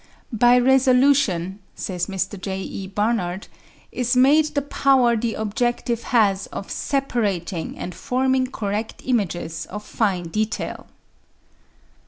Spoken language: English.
"By resolution," says Mr. J. E. Barnard, "is meant the power the objective has of separat ing and forming correct images of fine detail."